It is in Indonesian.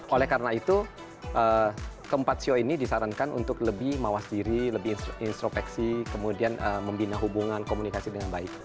oleh karena itu keempat sio ini disarankan untuk lebih mawas diri lebih instropeksi kemudian membina hubungan komunikasi dengan baik